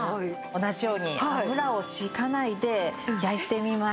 同じように油を引かないで焼いてみます。